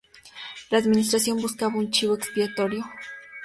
La administración buscaba un chivo expiatorio.